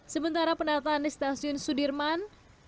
sementara penataan di stasiun sudirman